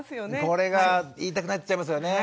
これが言いたくなっちゃいますよね。